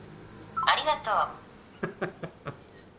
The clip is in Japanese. ありがとう。